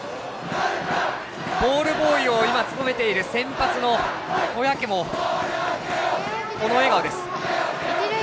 ボールボーイを務めている先発の小宅もこの笑顔です。